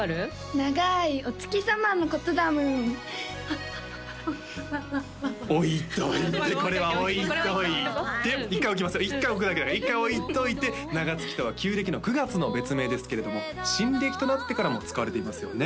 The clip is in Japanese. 長いお月様のことだムーンあっあっわっわっ置いといてこれは置いといて１回置きます１回置くだけだから１回置いといて長月とは旧暦の９月の別名ですけれども新暦となってからも使われていますよね